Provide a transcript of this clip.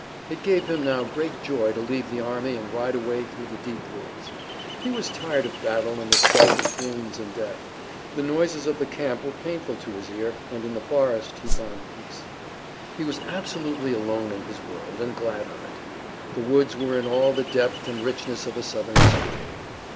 It gave him now great joy to leave the army and ride away through the deep woods. He was tired of battle and the sight of wounds and death. The noises of the camp were painful to his ear, and in the forest he found peace. He was absolutely alone in his world, and glad of it. The woods were in all the depth and richness of a Southern spring.